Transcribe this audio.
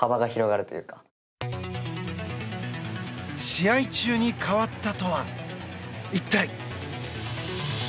試合中に変わったとは一体。